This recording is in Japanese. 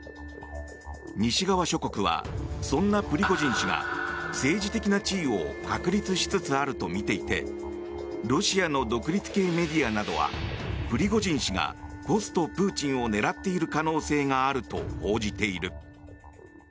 西側諸国はそんなプリゴジン氏が政治的な地位を確立しつつあるとみていてロシアの独立系メディアなどはプリゴジン氏がポストプーチンを狙っている可能性があると報じている。